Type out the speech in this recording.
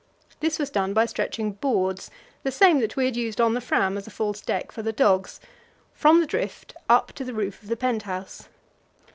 This was done by stretching boards the same that we had used on the Fram as a false deck for the dogs from the drift up to the roof of the pent house.